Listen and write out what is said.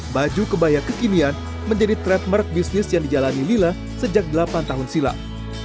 baju kebaya kekinian menjadi trademark bisnis yang dijalani lila sejak delapan tahun silam